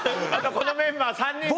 このメンバー３人で。